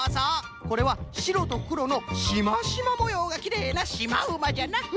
これはしろとくろのシマシマもようがきれいなシマウマじゃな。